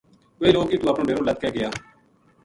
ویہ لوک اِتو اپنو ڈیرو لَد کے گیا